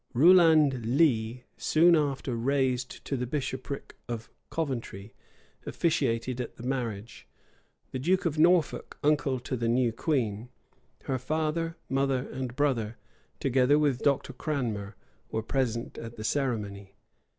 Rouland Lee, soon after raised to the bishopric of Coventry, officiated at the marriage. The duke of Norfolk, uncle to the new queen, her father, mother, and brother, together with Dr. Cranmer, were present at the ceremony.